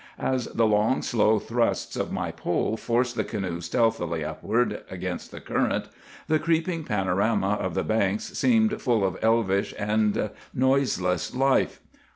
As the long slow thrusts of my pole forced the canoe stealthily upward against the current, the creeping panorama of the banks seemed full of elvish and noiseless life.